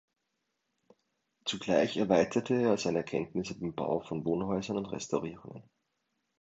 Zugleich erweiterte er seine Kenntnisse beim Bau von Wohnhäusern und Restaurierungen.